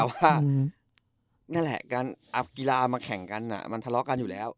ว่านั่นแหละการอัพกีฬามาแข่งกันมันทะเลาะกันอยู่แล้ว